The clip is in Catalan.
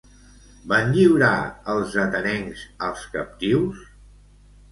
Van lliurar els atenencs als captius?